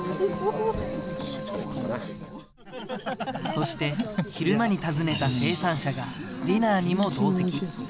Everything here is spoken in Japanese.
そして昼間に訪ねた生産者が、ディナーにも同席。